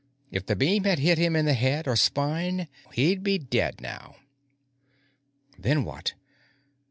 If the beam had hit him in the head or spine, he'd be dead now. Then what?